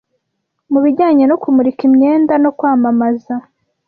mu bijyanye no kumurika imyenda no kwamamaza.